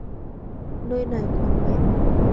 Nơi này còn mẹ